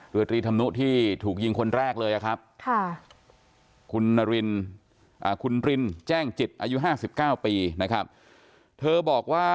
เรือตรีธรรมนุที่ถูกยิงคนแรกเลยนะครับ